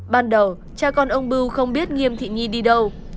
ban đầu cha con ông bưu không biết nghiêm thị nhi đi đâu